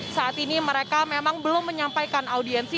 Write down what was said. saat ini mereka memang belum menyampaikan audiensi